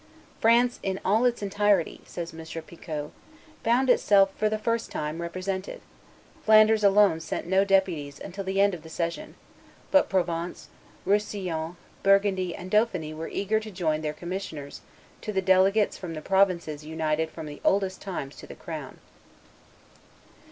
"France in all its entirety," says M. Picot, "found itself, for the first time, represented; Flanders alone sent no deputies until the end of the session; but Provence, Roussillon, Burgundy, and Dauphiny were eager to join their commissioners to the delegates from the provinces united from the oldest times to the crown."